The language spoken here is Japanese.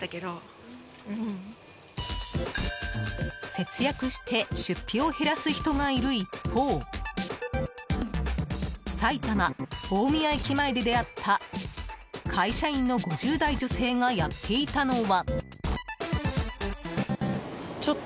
節約して出費を減らす人がいる一方埼玉・大宮駅前で出会った会社員の５０代女性がやっていたのは。